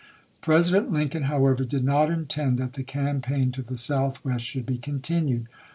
President Lincoln, however, did not intend that the campaign to the southwest should be continued.